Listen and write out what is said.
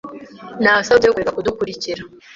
Nawesabye kureka kudukurikira.